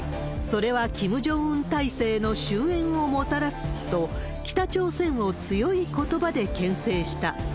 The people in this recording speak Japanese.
それはキム・ジョンウン体制の終焉をもたらすと、北朝鮮を強いことばでけん制した。